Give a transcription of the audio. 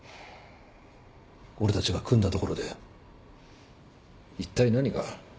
俺たちが組んだところでいったい何が。